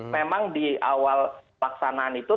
memang di awal pelaksanaan itu